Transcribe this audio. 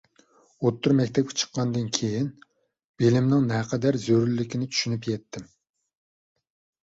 ئوتتۇرا مەكتەپكە چىققاندىن كېيىن، بىلىمنىڭ نەقەدەر زۆرۈرلۈكىنى چۈشىنىپ يەتتىم.